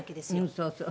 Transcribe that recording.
そうそう。